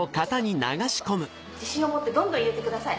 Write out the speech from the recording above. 自信を持ってどんどん入れてください。